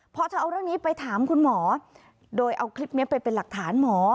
พอเธอเอาเรื่องนี้ไปถามคุณหมอโดยเอาคลิปนี้ไปเป็นหลักฐานหมอ